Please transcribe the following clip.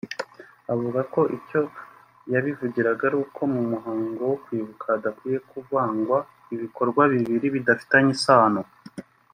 Avuga ko icyo yabivugiraga ari uko mu muhango wo kwibuka hadakwiye kuvangwa ibikorwa bibiri bidafitanye isano